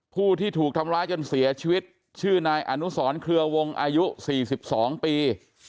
ผู้ที่ถูกทำร้ายจนเสียชีวิตชื่อนายอนุสรเครือวงอายุ๔๒ปี